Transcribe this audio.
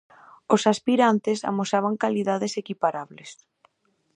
Os aspirantes amosaban calidades equiparables.